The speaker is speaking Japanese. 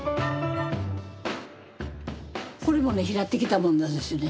これもね拾ってきたものなんですよね。